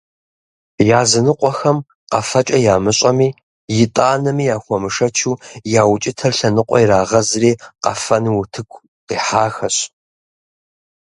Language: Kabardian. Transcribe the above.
Языныкъуэхэм къэфэкӏэ ямыщӏэми, итӏанэми яхуэмышэчу, я укӏытэр лъэныкъуэ ирагъэзри къэфэну утыку къихьахэщ.